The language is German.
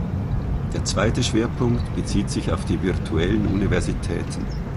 Der zweite Schwerpunkt bezieht sich auf die virtuellen Universitäten.